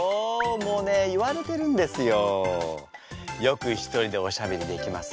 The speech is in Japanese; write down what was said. もうね言われてるんですよ。